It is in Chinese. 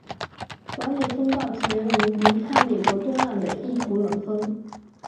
完美风暴起源于离开美国东岸的一股冷锋。